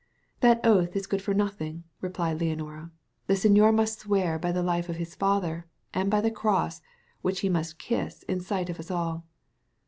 "That oath is good for nothing," replied Leonora: "the señor must swear by the life of his father, and by the cross, which he must kiss in sight of us all."